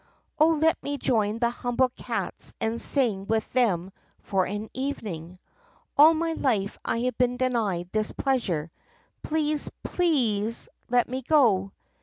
Oh, let me join the humble cats and sing with them for an evening. All my life I have been denied this pleasure. Please, PLEASE let me go!